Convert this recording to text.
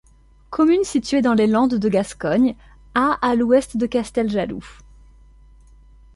Commune située dans les Landes de Gascogne à à l'ouest de Casteljaloux.